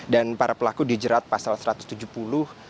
dan para pelaku di jerat passel satu ratus tujuh puluh